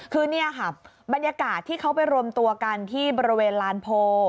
คือนี่ค่ะบรรยากาศที่เขาไปรวมตัวกันที่บริเวณลานโพ